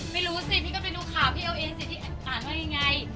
ไม่รู้สิพี่ก็ไปดูข่าวพี่เอาเองสิพี่อ่านว่ายังไง